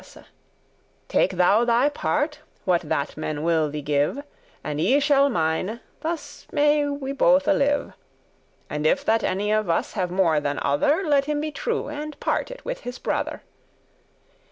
* *seeking what we Take thou thy part, what that men will thee give, may pick up* And I shall mine, thus may we bothe live. And if that any of us have more than other, Let him be true, and part it with his brother."